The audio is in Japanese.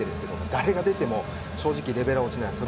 誰が出ても正直レベルは落ちないです。